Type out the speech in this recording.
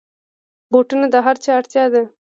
بوټونه د هرچا اړتیا ده.